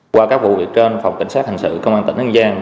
qua các vụ việc trên phòng cảnh sát hành sự công an tỉnh hân giang